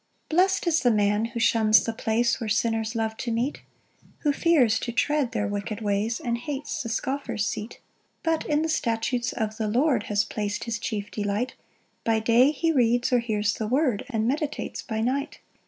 1 Blest is the man who shuns the place Where sinners love to meet; Who fears to tread their wicked ways, And hates the scoffer's seat: 2 But in the statutes of the Lord Has plac'd his chief delight; By day he reads or hears the word, And meditates by night.